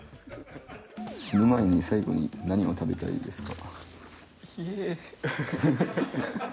死ぬ前に最後に何を食べたいですか？